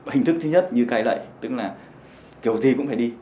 hình thức thứ nhất như cây lậy tức là kiểu gì cũng phải đi